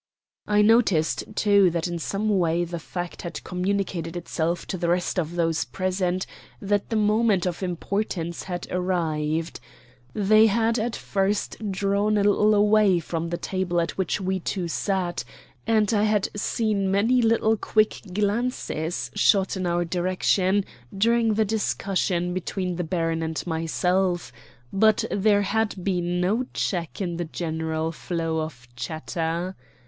I noticed, too, that in some way the fact had communicated itself to the rest of those present that the moment of importance had arrived. They had at first drawn a little away from the table at which we two sat; and I had seen many little quick glances shot in our direction during the discussion between the baron and myself; but there had been no check in the general flow of chatter.